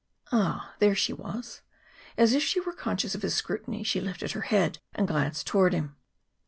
Ah, there she was. As if she were conscious of his scrutiny, she lifted her head and glanced toward him.